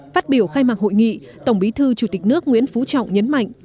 phát biểu khai mạc hội nghị tổng bí thư chủ tịch nước nguyễn phú trọng nhấn mạnh